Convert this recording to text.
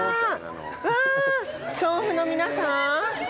わ調布の皆さん。